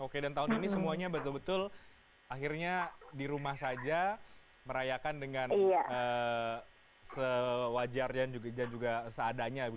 oke dan tahun ini semuanya betul betul akhirnya di rumah saja merayakan dengan sewajar dan juga seadanya